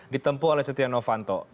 ditempuh oleh setia novanto